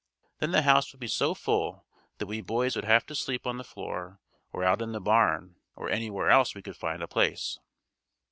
Then the house would be so full that we boys would have to sleep on the floor, or out in the barn or anywhere else we could find a place.